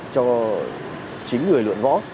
cho chính người luyện võ